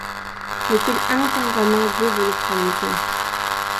لېكىن ئەڭ چوڭ غېمىڭىز بۇ بولۇپ قالمىسۇن.